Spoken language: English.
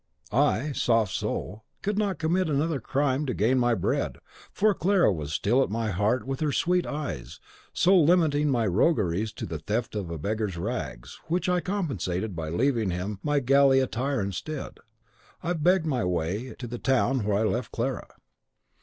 I, soft soul, would not commit another crime to gain my bread, for Clara was still at my heart with her sweet eyes; so, limiting my rogueries to the theft of a beggar's rags, which I compensated by leaving him my galley attire instead, I begged my way to the town where I left Clara.